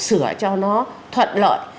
sửa cho nó thuận lợi